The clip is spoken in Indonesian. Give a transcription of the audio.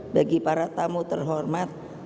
bagi para tamu terhormat